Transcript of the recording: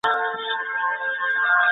په اتلس مياشتو کې دا غلاوې پراخې شوې.